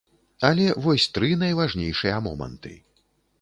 Але вось тры найважнейшыя моманты.